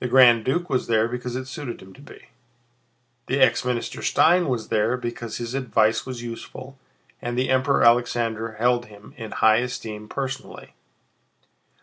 The Grand Duke was there because it suited him to be. The ex Minister Stein was there because his advice was useful and the Emperor Alexander held him in high esteem personally.